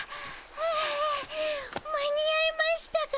間に合いましたか？